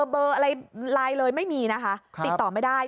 เบอร์อะไรไลน์เลยไม่มีนะคะติดต่อไม่ได้